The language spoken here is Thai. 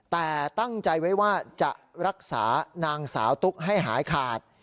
แต่ตั้งใจไว้ว่าจะรักษานางสาวตุ๊กให้หายขาด